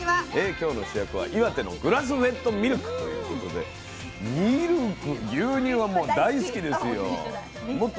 今日の主役は岩手のグラスフェッドミルクということでミルク牛乳はもう大好きですよ。